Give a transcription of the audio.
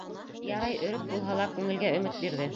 Ярай, өрөп булһа ла күңелгә өмөт бирҙе.